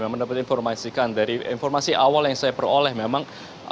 mendapatkan informasikan dari informasi awal yang saya peroleh memang